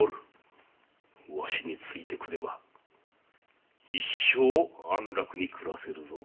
わしについてくれば一生安楽に暮らせるぞ。